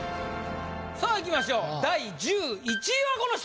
さぁいきましょう第１１位はこの人！